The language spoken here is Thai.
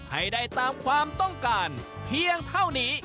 ให้ได้ตามความต้องการเพียงเท่านี้